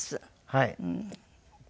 はい。